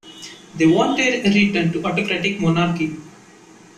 They wanted a return to autocratic monarchy.